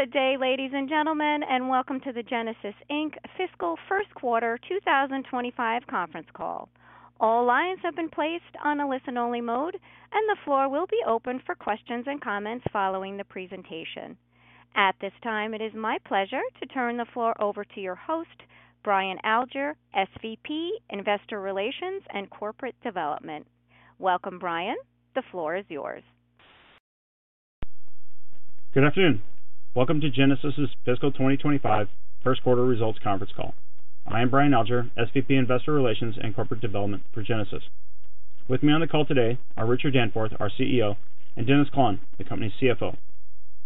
Good day, ladies and gentlemen, and welcome to the Genasys Fiscal Q1 2025 Conference Call. All lines have been placed on a listen-only mode, and the floor will be open for questions and comments following the presentation. At this time, it is my pleasure to turn the floor over to your host, Brian Alger, SVP, Investor Relations and Corporate Development. Welcome, Brian. The floor is yours. Good afternoon. Welcome to Genasys' Fiscal 2025 Q1 Results Conference Call. I am Brian Alger, SVP, Investor Relations and Corporate Development for Genasys. With me on the call today are Richard Danforth, our CEO, and Dennis Klahn, the company's CFO.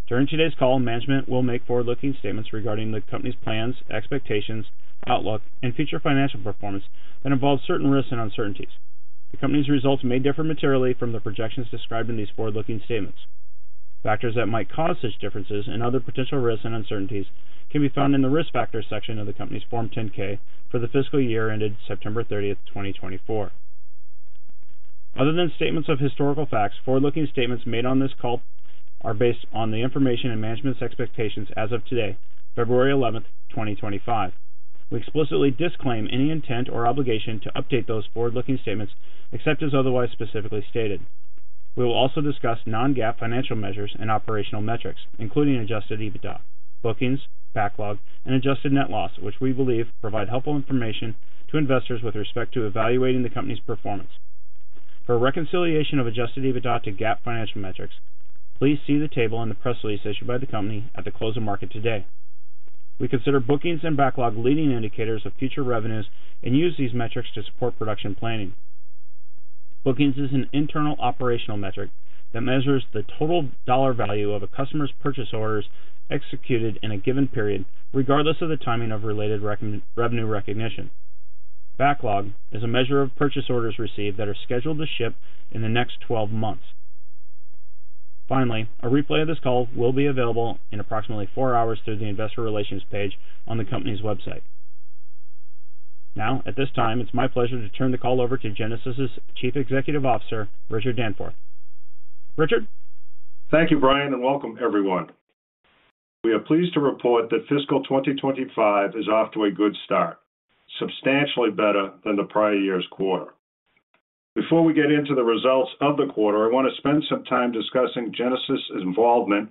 During today's call, management will make forward-looking statements regarding the company's plans, expectations, outlook, and future financial performance that involve certain risks and uncertainties. The company's results may differ materially from the projections described in these forward-looking statements. Factors that might cause such differences and other potential risks and uncertainties can be found in the risk factors section of the company's Form 10-K for the fiscal year ended September 30th, 2024. Other than statements of historical facts, forward-looking statements made on this call are based on the information and management's expectations as of today, February 11th, 2025. We explicitly disclaim any intent or obligation to update those forward-looking statements except as otherwise specifically stated. We will also discuss non-GAAP financial measures and operational metrics, including adjusted EBITDA, bookings, backlog, and adjusted net loss, which we believe provide helpful information to investors with respect to evaluating the company's performance. For reconciliation of adjusted EBITDA to GAAP financial metrics, please see the table in the press release issued by the company at the close of market today. We consider bookings and backlog leading indicators of future revenues and use these metrics to support production planning. Bookings is an internal operational metric that measures the total dollar value of a customer's purchase orders executed in a given period, regardless of the timing of related revenue recognition. Backlog is a measure of purchase orders received that are scheduled to ship in the next 12 months. Finally, a replay of this call will be available in approximately four hours through the Investor Relations page on the company's website. Now, at this time, it's my pleasure to turn the call over to Genasys' CEO, Richard Danforth. Richard? Thank you, Brian, and welcome, everyone. We are pleased to report that Fiscal 2025 is off to a good start, substantially better than the prior year's quarter. Before we get into the results of the quarter, I want to spend some time discussing Genasys' involvement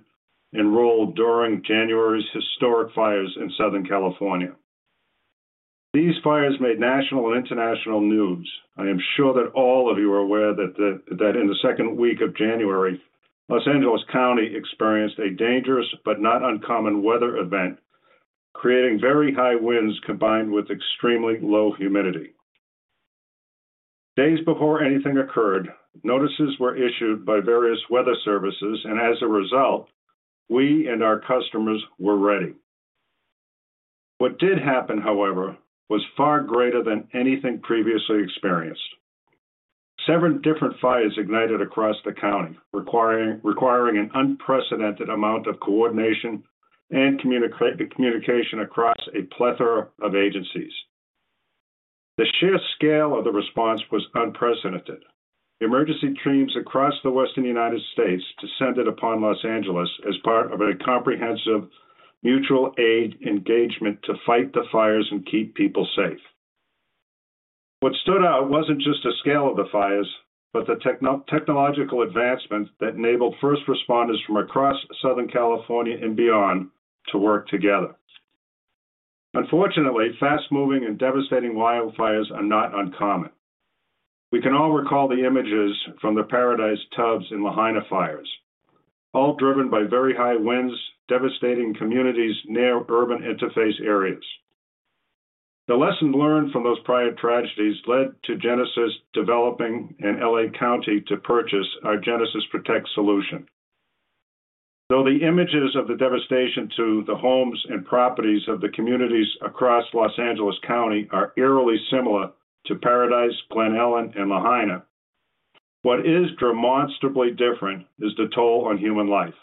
and role during January's historic fires in Southern California. These fires made national and international news. I am sure that all of you are aware that in the second week of January, Los Angeles County experienced a dangerous but not uncommon weather event, creating very high winds combined with extremely low humidity. Days before anything occurred, notices were issued by various weather services, and as a result, we and our customers were ready. What did happen, however, was far greater than anything previously experienced. Several different fires ignited across the county, requiring an unprecedented amount of coordination and communication across a plethora of agencies. The sheer scale of the response was unprecedented. Emergency teams across the Western United States descended upon Los Angeles as part of a comprehensive mutual aid engagement to fight the fires and keep people safe. What stood out was not just the scale of the fires, but the technological advancements that enabled first responders from across Southern California and beyond to work together. Unfortunately, fast-moving and devastating wildfires are not uncommon. We can all recall the images from the Paradise, Tubbs, and Lahaina fires, all driven by very high winds devastating communities near urban interface areas. The lesson learned from those prior tragedies led to Genasys developing in Los Angeles County to purchase our Genasys Protect solution. Though the images of the devastation to the homes and properties of the communities across Los Angeles County are eerily similar to Paradise, Glen Ellen, and Lahaina, what is demonstrably different is the toll on human life.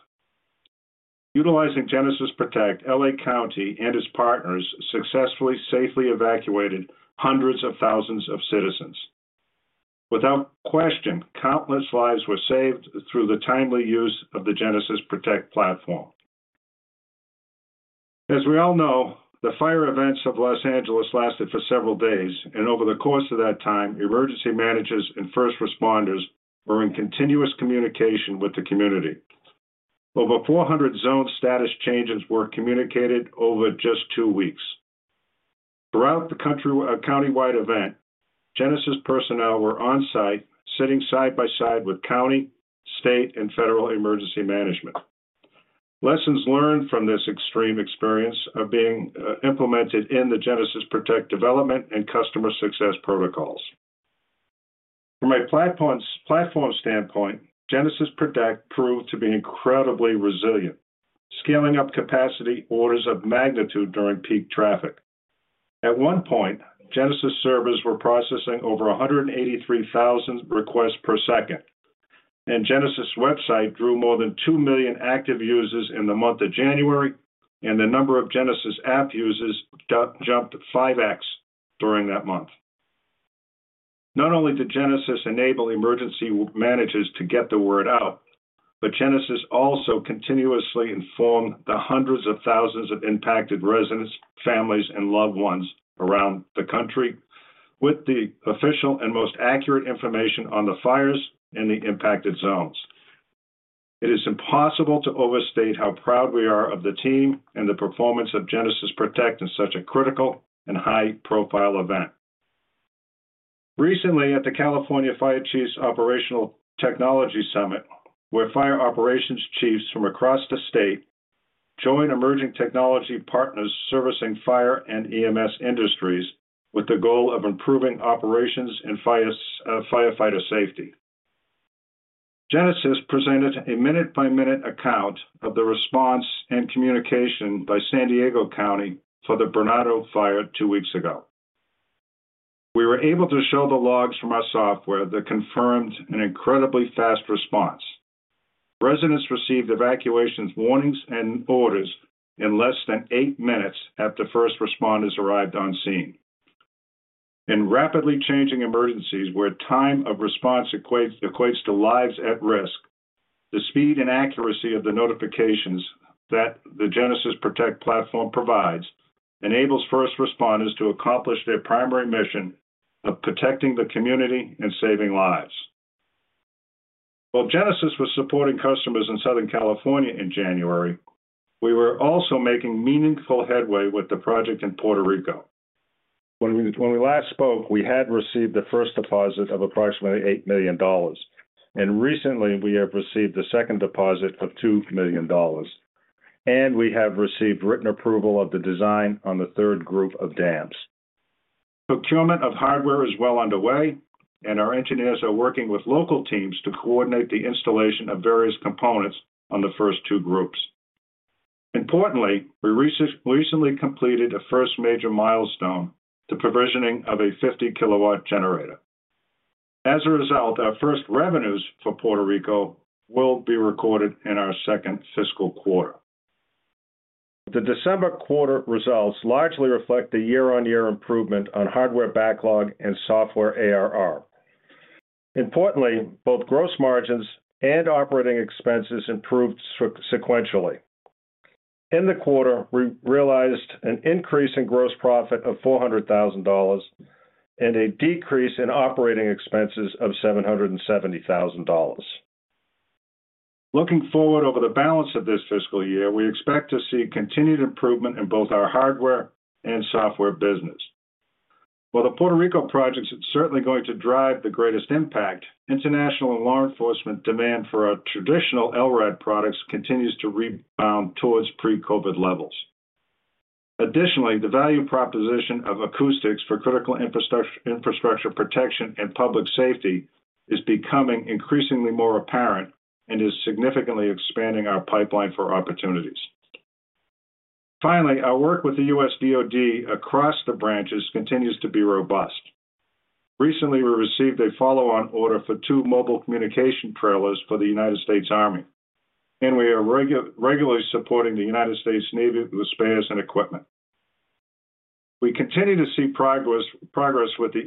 Utilizing Genasys Protect, L.A. County and its partners successfully safely evacuated hundreds of thousands of citizens. Without question, countless lives were saved through the timely use of the Genasys Protect platform. As we all know, the fire events of Los Angeles lasted for several days, and over the course of that time, emergency managers and first responders were in continuous communication with the community. Over 400 zone status changes were communicated over just two weeks. Throughout the countywide event, Genasys personnel were on-site, sitting side by side with county, state, and federal emergency management. Lessons learned from this extreme experience are being implemented in the Genasys Protect development and customer success protocols. From a platform standpoint, Genasys Protect proved to be incredibly resilient, scaling up capacity orders of magnitude during peak traffic. At one point, Genasys servers were processing over 183,000 requests per second, and Genasys' website drew more than 2 million active users in the month of January, and the number of Genasys app users jumped 5x during that month. Not only did Genasys enable emergency managers to get the word out, but Genasys also continuously informed the hundreds of thousands of impacted residents, families, and loved ones around the country with the official and most accurate information on the fires and the impacted zones. It is impossible to overstate how proud we are of the team and the performance of Genasys Protect in such a critical and high-profile event. Recently, at the California Fire Chiefs Operational Technology Summit, where fire operations chiefs from across the state joined emerging technology partners servicing fire and EMS industries with the goal of improving operations and firefighter safety, Genasys presented a minute-by-minute account of the response and communication by San Diego County for the Bernardo Fire two weeks ago. We were able to show the logs from our software that confirmed an incredibly fast response. Residents received evacuation warnings and orders in less than eight minutes after first responders arrived on scene. In rapidly changing emergencies, where time of response equates to lives at risk, the speed and accuracy of the notifications that the Genasys Protect platform provides enables first responders to accomplish their primary mission of protecting the community and saving lives. While Genasys was supporting customers in Southern California in January, we were also making meaningful headway with the project in Puerto Rico. When we last spoke, we had received the first deposit of approximately $8 million, and recently, we have received the second deposit of $2 million, and we have received written approval of the design on the third group of dams. Procurement of hardware is well underway, and our engineers are working with local teams to coordinate the installation of various components on the first two groups. Importantly, we recently completed a first major milestone, the provisioning of a 50 kW generator. As a result, our first revenues for Puerto Rico will be recorded in our second fiscal quarter. The December quarter results largely reflect the year-on-year improvement on hardware backlog and software ARR. Importantly, both gross margins and operating expenses improved sequentially. In the quarter, we realized an increase in gross profit of $400,000 and a decrease in operating expenses of $770,000. Looking forward over the balance of this fiscal year, we expect to see continued improvement in both our Hardware and Software business. While the Puerto Rico project is certainly going to drive the greatest impact, international law enforcement demand for our traditional LRAD products continues to rebound towards pre-COVID levels. Additionally, the value proposition of acoustics for critical infrastructure protection and public safety is becoming increasingly more apparent and is significantly expanding our pipeline for opportunities. Finally, our work with the U.S. Department of Defense across the branches continues to be robust. Recently, we received a follow-on order for two mobile communication trailers for the United States Army, and we are regularly supporting the United States Navy with spares and equipment. We continue to see progress with the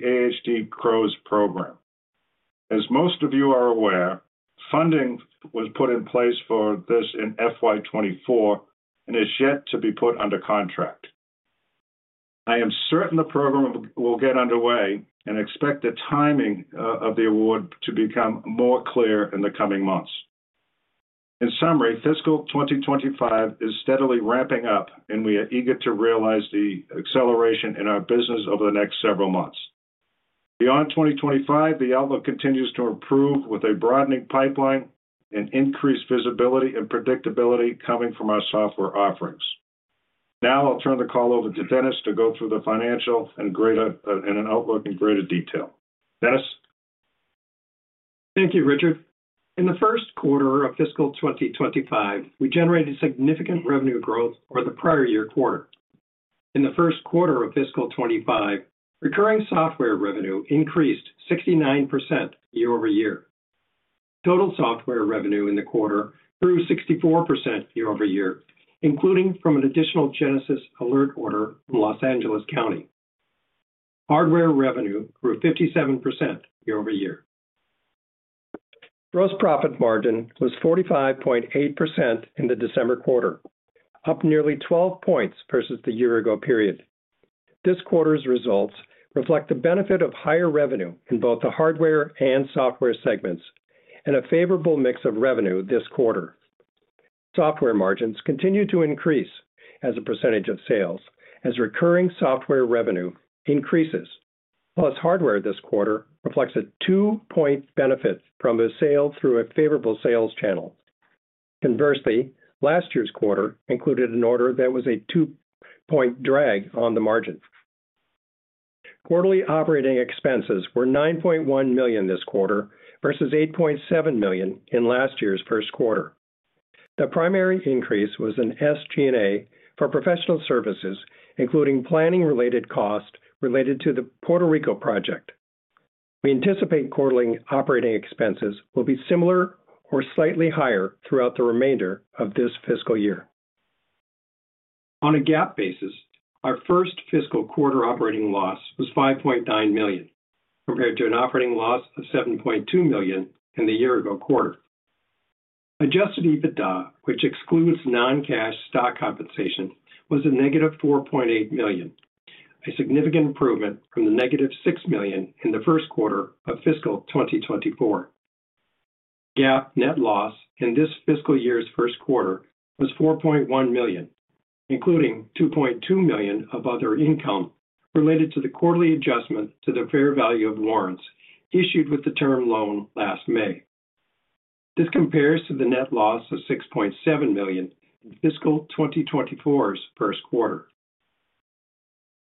AHD-CROWS program. As most of you are aware, funding was put in place for this in FY24 and is yet to be put under contract. I am certain the program will get underway and expect the timing of the award to become more clear in the coming months. In summary, Fiscal 2025 is steadily ramping up, and we are eager to realize the acceleration in our business over the next several months. Beyond 2025, the outlook continues to improve with a broadening pipeline and increased visibility and predictability coming from our software offerings. Now, I'll turn the call over to Dennis to go through the financial and outlook in greater detail. Dennis. Thank you, Richard. In the Q1 of fiscal 2025, we generated significant revenue growth over the prior year quarter. In the Q1 of fiscal 2025, recurring software revenue increased 69% year-over-year. Total software revenue in the quarter grew 64% year-over-year, including from an additional Genasys ALERT order from Los Angeles County. Hardware revenue grew 57% year-over-year. Gross profit margin was 45.8% in the December quarter, up nearly 12 percentage points versus the year-ago period. This quarter's results reflect the benefit of higher revenue in both the Hardware and Software segments and a favorable mix of revenue this quarter. Software margins continue to increase as a percentage of sales as recurring Software revenue increases, plus Hardware this quarter reflects a two percentage point benefit from a sale through a favorable sales channel. Conversely, last year's quarter included an order that was a two-point drag on the margin. Quarterly operating expenses were $9.1 million this quarter versus $8.7 million in last year's Q1. The primary increase was in SG&A for professional services, including planning-related costs related to the Puerto Rico project. We anticipate quarterly operating expenses will be similar or slightly higher throughout the remainder of this fiscal year. On a GAAP basis, our first fiscal quarter operating loss was $5.9 million compared to an operating loss of $7.2 million in the year-ago quarter. Adjusted EBITDA, which excludes non-cash stock compensation, was a negative $4.8 million, a significant improvement from the negative $6 million in the Q1 of fiscal 2024. GAAP net loss in this fiscal year's Q1 was $4.1 million, including $2.2 million of other income related to the quarterly adjustment to the fair value of warrants issued with the term loan last May. This compares to the net loss of $6.7 million in Fiscal 2024's Q1.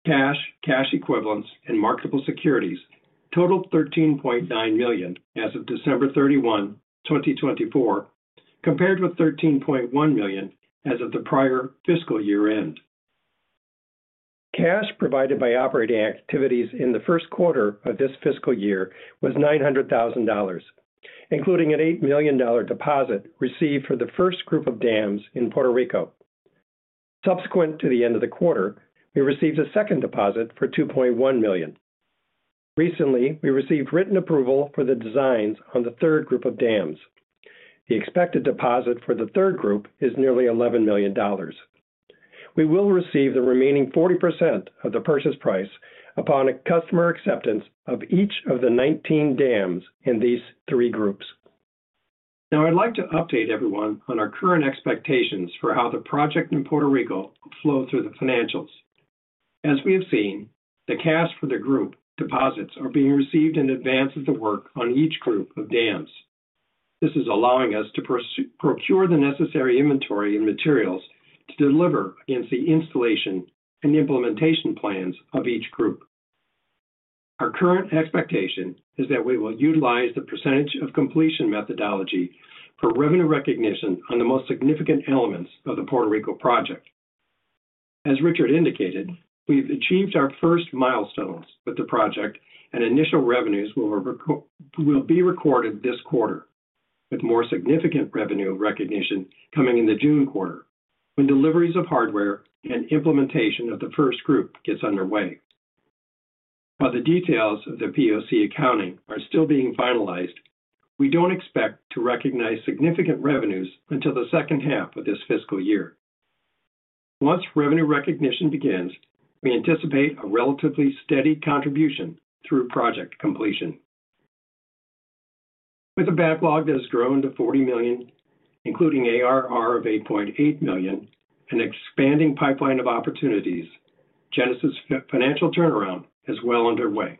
Cash, cash equivalents, and marketable securities totaled $13.9 million as of December 31, 2024, compared with $13.1 million as of the prior fiscal year-end. Cash provided by operating activities in the Q1 of this fiscal year was $900,000, including an $8 million deposit received for the first group of dams in Puerto Rico. Subsequent to the end of the quarter, we received a second deposit for $2.1 million. Recently, we received written approval for the designs on the third group of dams. The expected deposit for the third group is nearly $11 million. We will receive the remaining 40% of the purchase price upon a customer acceptance of each of the 19 dams in these three groups. Now, I'd like to update everyone on our current expectations for how the project in Puerto Rico will flow through the financials. As we have seen, the cash for the group deposits are being received in advance of the work on each group of dams. This is allowing us to procure the necessary inventory and materials to deliver against the installation and implementation plans of each group. Our current expectation is that we will utilize the percentage of completion methodology for revenue recognition on the most significant elements of the Puerto Rico project. As Richard indicated, we've achieved our first milestones with the project, and initial revenues will be recorded this quarter, with more significant revenue recognition coming in the June quarter when deliveries of hardware and implementation of the first group get underway. While the details of the POC accounting are still being finalized, we don't expect to recognize significant revenues until the second half of this fiscal year. Once revenue recognition begins, we anticipate a relatively steady contribution through project completion. With a backlog that has grown to $40 million, including ARR of $8.8 million, and an expanding pipeline of opportunities, Genasys' financial turnaround is well underway.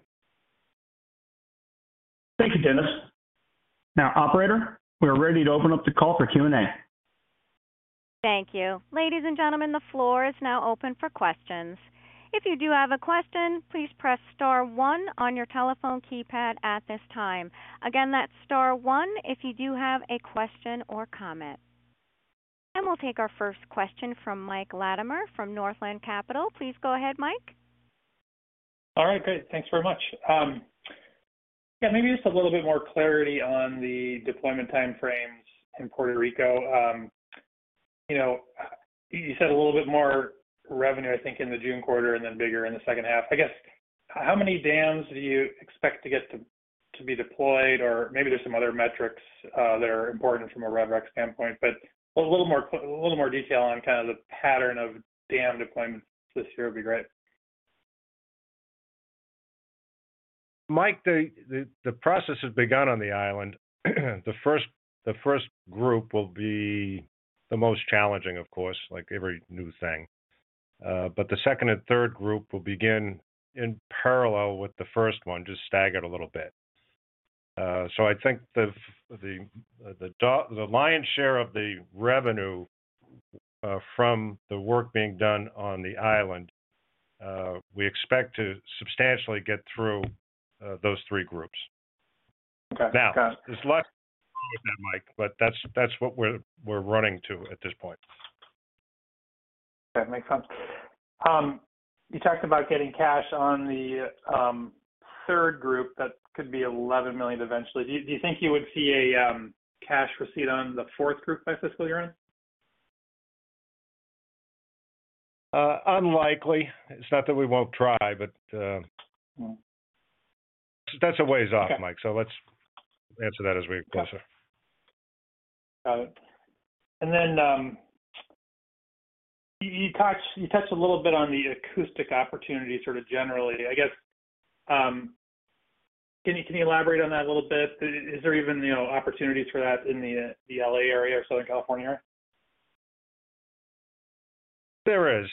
Thank you, Dennis. Now, Operator, we are ready to open up the call for Q&A. Thank you. Ladies and gentlemen, the floor is now open for questions. If you do have a question, please press star one on your telephone keypad at this time. Again, that's star one if you do have a question or comment. We will take our first question from Mike Latimore from Northland Capital. Please go ahead, Mike. All right, great. Thanks very much. Yeah, maybe just a little bit more clarity on the deployment timeframes in Puerto Rico. You said a little bit more revenue, I think, in the June quarter and then bigger in the second half. I guess, how many dams do you expect to get to be deployed? Or maybe there's some other metrics that are important from a Rev Rec standpoint, but a little more detail on kind of the pattern of dam deployment this year would be great. Mike, the process has begun on the island. The first group will be the most challenging, of course, like every new thing. The second and third group will begin in parallel with the first one, just staggered a little bit. I think the lion's share of the revenue from the work being done on the island, we expect to substantially get through those three groups. Now, there's less than that, Mike, but that's what we're running to at this point. Okay, that makes sense. You talked about getting cash on the third group that could be $11 million eventually. Do you think you would see a cash receipt on the fourth group by fiscal year-end? Unlikely. It's not that we won't try, but that's a ways off, Mike, so let's answer that as we go through. Got it. You touched a little bit on the acoustic opportunity sort of generally. I guess, can you elaborate on that a little bit? Is there even opportunities for that in the L.A. area or Southern California area? There is.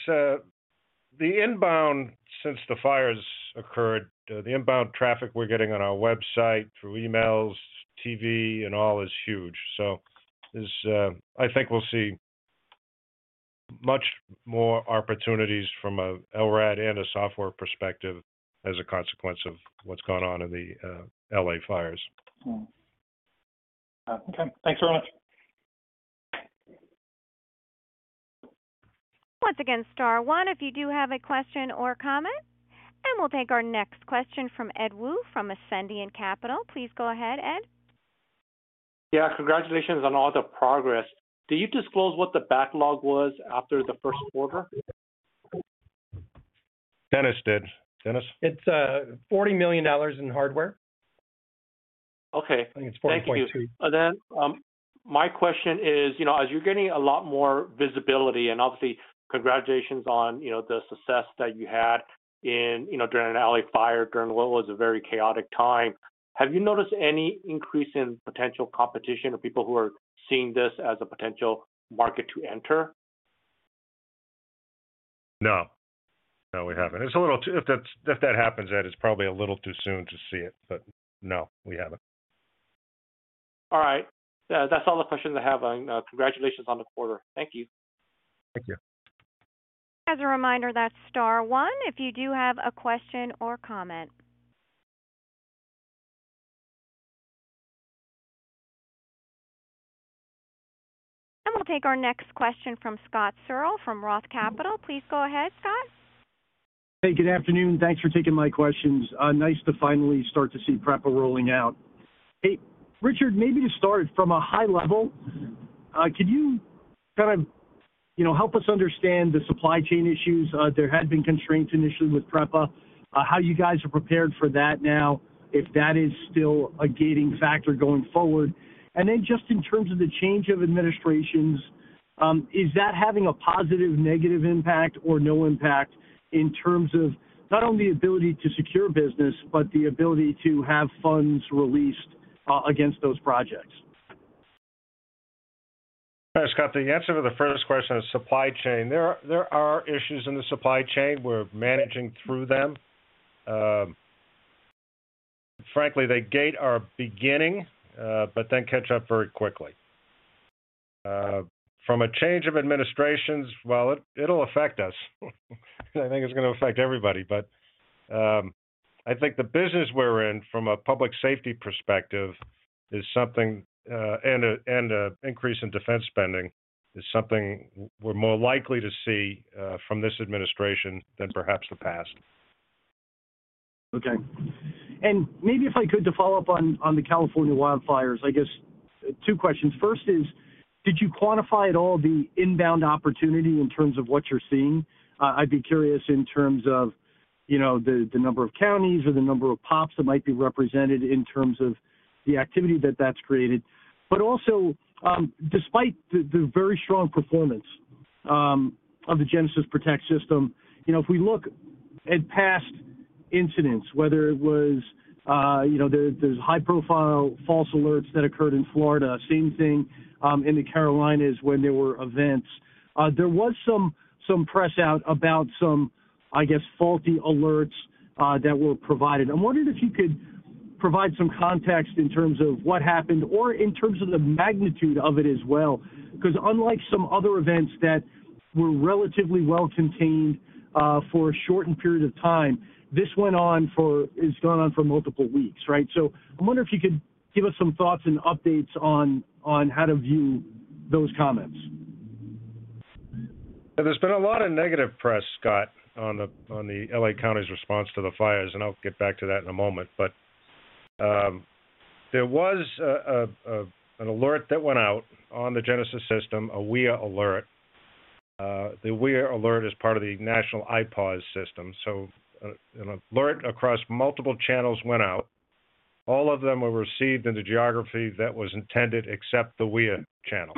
The inbound, since the fires occurred, the inbound traffic we're getting on our website through emails, TV, and all is huge. I think we'll see much more opportunities from an LRAD and a software perspective as a consequence of what's gone on in the L.A. fires. Okay. Thanks very much. Once again, star one if you do have a question or comment. We'll take our next question from Ed Woo from Ascendiant Capital. Please go ahead, Ed. Yeah, congratulations on all the progress. Did you disclose what the backlog was after the Q1? Dennis did. Dennis? It's $40 million in hardware. Okay. Thank you. My question is, as you're getting a lot more visibility, and obviously, congratulations on the success that you had during an LA fire during what was a very chaotic time. Have you noticed any increase in potential competition or people who are seeing this as a potential market to enter? No. No, we haven't. If that happens, Ed, it's probably a little too soon to see it, but no, we haven't. All right. That's all the questions I have. Congratulations on the quarter. Thank you. Thank you. As a reminder, that's star one if you do have a question or comment. We will take our next question from Scott Searle from Roth Capital. Please go ahead, Scott. Hey, good afternoon. Thanks for taking my questions. Nice to finally start to see PREPA rolling out. Hey, Richard, maybe to start, from a high level, could you kind of help us understand the supply chain issues? There had been constraints initially with PREPA. How you guys are prepared for that now, if that is still a gating factor going forward? Just in terms of the change of administrations, is that having a positive, negative impact, or no impact in terms of not only the ability to secure business, but the ability to have funds released against those projects? All right, Scott, the answer to the first question is supply chain. There are issues in the supply chain. We're managing through them. Frankly, they gate our beginning, but then catch up very quickly. From a change of administrations, it will affect us. I think it's going to affect everybody, but I think the business we're in from a public safety perspective is something, and an increase in defense spending is something we're more likely to see from this administration than perhaps the past. Okay. Maybe if I could, to follow up on the California wildfires, I guess two questions. First is, did you quantify at all the inbound opportunity in terms of what you're seeing? I'd be curious in terms of the number of counties or the number of POPs that might be represented in terms of the activity that that's created. Also, despite the very strong performance of the Genasys Protect system, if we look at past incidents, whether it was there's high-profile false alerts that occurred in Florida, same thing in the Carolinas when there were events. There was some press out about some, I guess, faulty alerts that were provided. I'm wondering if you could provide some context in terms of what happened or in terms of the magnitude of it as well. Because unlike some other events that were relatively well contained for a shortened period of time, this went on for it's gone on for multiple weeks, right? I am wondering if you could give us some thoughts and updates on how to view those comments. There's been a lot of negative press, Scott, on the L.A. County's response to the fires, and I'll get back to that in a moment. But there was an alert that went out on the Genasys system, a WEA alert. The WEA alert is part of the National IPAWS system. An alert across multiple channels went out. All of them were received in the geography that was intended except the WEA channel,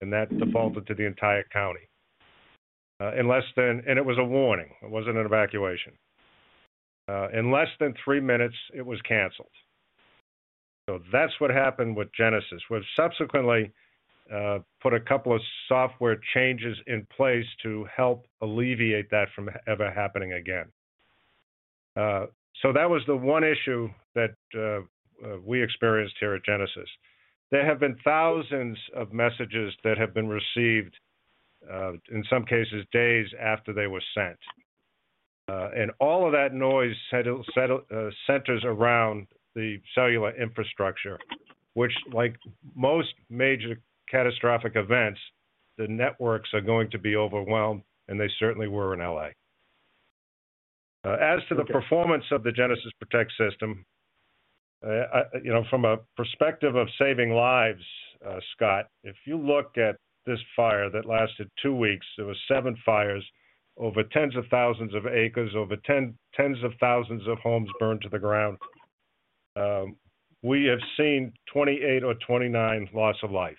and that defaulted to the entire county. It was a warning. It wasn't an evacuation. In less than three minutes, it was canceled. That's what happened with Genasys. We've subsequently put a couple of software changes in place to help alleviate that from ever happening again. That was the one issue that we experienced here at Genasys. There have been thousands of messages that have been received, in some cases, days after they were sent. All of that noise centers around the cellular infrastructure, which, like most major catastrophic events, the networks are going to be overwhelmed, and they certainly were in L.A. As to the performance of the Genasys Protect system, from a perspective of saving lives, Scott, if you look at this fire that lasted two weeks, there were seven fires, over tens of thousands of acres, over tens of thousands of homes burned to the ground. We have seen 28 or 29 loss of life.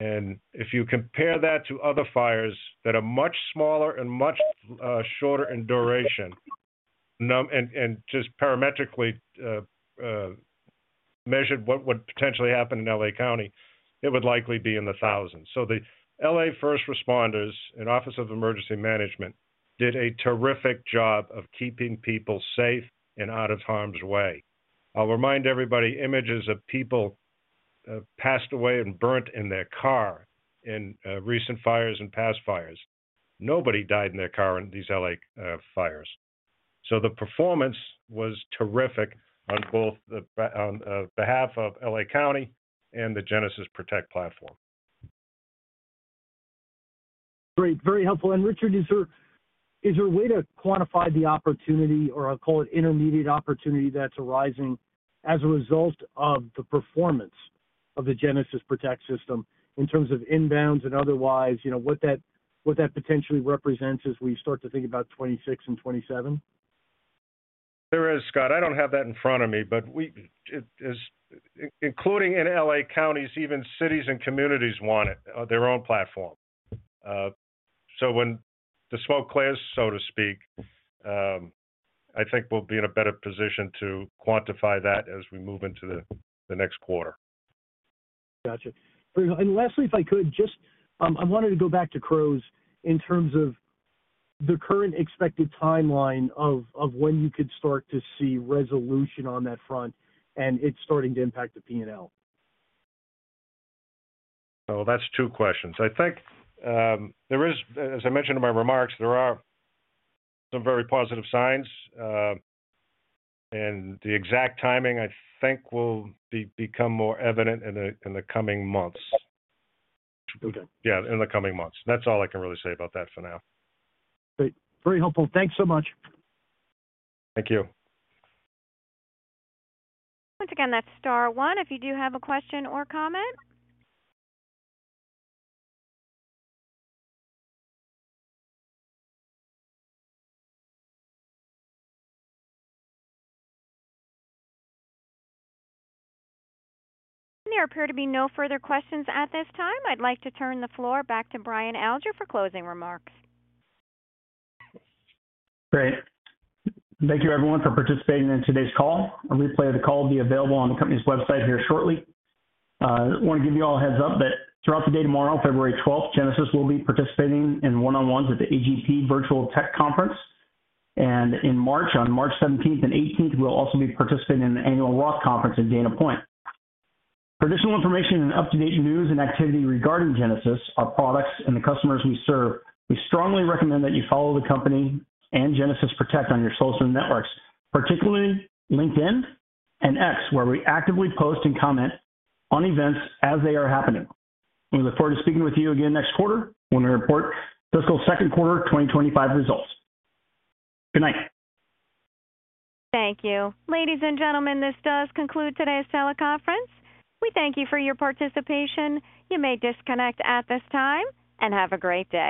If you compare that to other fires that are much smaller and much shorter in duration and just parametrically measured what would potentially happen in L.A. County, it would likely be in the thousands. The L.A. first responders and Office of Emergency Management did a terrific job of keeping people safe and out of harm's way. I'll remind everybody, images of people passed away and burnt in their car in recent fires and past fires. Nobody died in their car in these L.A. fires. The performance was terrific on behalf of L.A. County and the Genasys Protect platform. Great. Very helpful. Richard, is there a way to quantify the opportunity or, I'll call it, intermediate opportunity that's arising as a result of the performance of the Genasys Protect system in terms of inbounds and otherwise? What that potentially represents as we start to think about 2026 and 2027? There is, Scott. I don't have that in front of me, but including in LA counties, even cities and communities want their own platform. So when the smoke clears, so to speak, I think we'll be in a better position to quantify that as we move into the next quarter. Gotcha. Lastly, if I could, just I wanted to go back to CROWS in terms of the current expected timeline of when you could start to see resolution on that front and it starting to impact the P&L. Oh, that's two questions. I think there is, as I mentioned in my remarks, there are some very positive signs. The exact timing, I think, will become more evident in the coming months. Yeah, in the coming months. That's all I can really say about that for now. Great. Very helpful. Thanks so much. Thank you. Once again, that's star one if you do have a question or comment. There appear to be no further questions at this time. I'd like to turn the floor back to Brian Alger for closing remarks. Great. Thank you, everyone, for participating in today's call. A replay of the call will be available on the company's website here shortly. I want to give you all a heads-up that throughout the day tomorrow, February 12th, Genasys will be participating in one-on-ones at the AGP Virtual Tech Conference. In March, on March 17th and 18th, we'll also be participating in the Annual Roth Conference in Dana Point. For additional information and up-to-date news and activity regarding Genasys, our products, and the customers we serve, we strongly recommend that you follow the company and Genasys Protect on your social networks, particularly LinkedIn and X, where we actively post and comment on events as they are happening. We look forward to speaking with you again next quarter when we report fiscal Q2 2025 results. Good night. Thank you. Ladies and gentlemen, this does conclude today's teleconference. We thank you for your participation. You may disconnect at this time and have a great day.